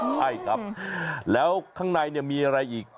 ใช่ครับแล้วข้างในมีอะไรอีก